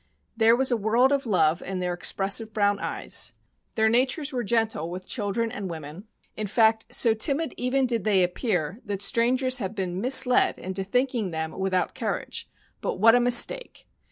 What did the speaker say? ,There was a world of love in their expressive brown eyes, their natures were gentle with children and women— in fact, so timid even did they appear that strangers have been misled into thinking them without courage; but what a mistake